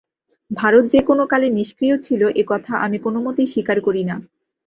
ভারত যে কোন কালে নিষ্ক্রিয় ছিল, এ-কথা আমি কোনমতেই স্বীকার করি না।